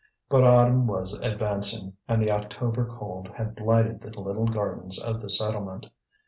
But autumn was advancing, and the October cold had blighted the little gardens of the settlement.